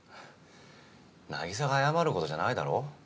凪沙が謝ることじゃないだろ。